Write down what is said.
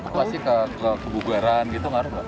kalo sih kebugaran gitu ngaruh gak